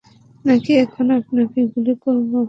নাকি, এখন আপনাকেই গুলি করব?